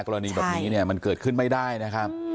กรณีแบบนี้เนี่ยมันเกิดขึ้นไม่ได้นะครับ